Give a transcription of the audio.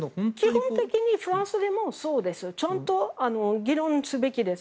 基本的にフランスでもそうです。ちゃんと議論すべきです。